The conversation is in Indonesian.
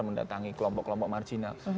mendatangi kelompok kelompok marginal